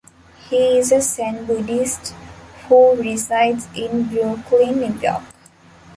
He is a Zen Buddhist who resides in Brooklyn, New York.